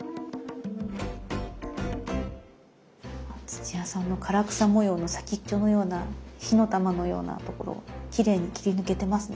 土屋さんの唐草模様の先っちょのような火の玉のようなところきれいに切り抜けてますね。